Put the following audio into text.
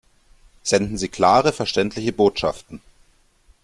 Senden Sie klare, verständliche Botschaften!